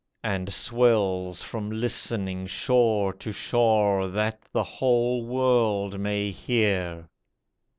And swells from listening shore to shore, That the whole world may hear.